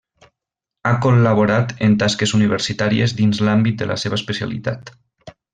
Ha col·laborat en tasques universitàries dins l'àmbit de la seva especialitat.